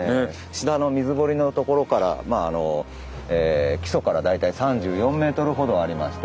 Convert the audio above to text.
下の水堀のところからまああの基礎から大体３４ｍほどありまして。